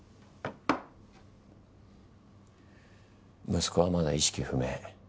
息子はまだ意識不明。